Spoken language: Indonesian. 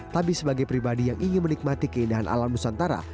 tapi sebagai pribadi yang ingin menikmati keindahan alam nusantara